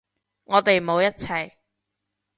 我哋冇一齊